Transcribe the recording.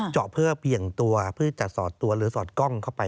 เจาะเพื่อเบี่ยงตัวเพื่อจะสอดตัวหรือสอดกล้องเข้าไป